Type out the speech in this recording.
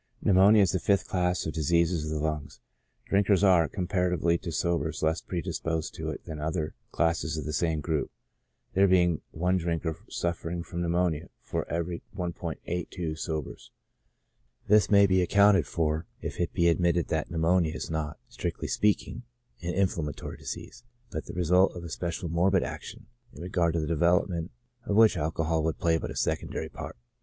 Pneumonia is the fifth class of diseases of the lungs. Drinkers are, comparatively to sobers, less predisposed to it than to the other classes of the same group, there being I drinker suffering from pneumonia for every i'82 sobers; this may be accounted for if it be admitted that pneumonia is not, strictly speaking, an inflammatory disease, but the result of a special morbid action, in regard to the develop ment of which alcohol would play but a secondary part.